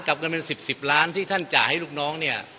เงินเป็น๑๐๑๐ล้านที่ท่านจ่ายให้ลูกน้องเนี่ย